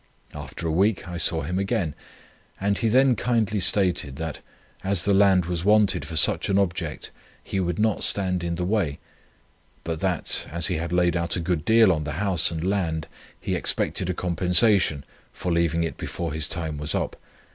After a week I saw him again, and he then kindly stated, that, as the land was wanted for such an object, he would not stand in the way; but that, as he had laid out a good deal on the house and land, he expected a compensation for leaving it before his time was up.